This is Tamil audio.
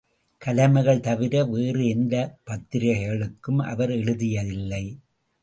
கலைமகள் தவிர வேறு எந்தப் பத்திரிகைக்கும் அவர் எழுதியதில்லை.